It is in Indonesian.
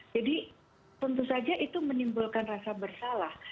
jadi tentu saja itu menimbulkan rasa bersalah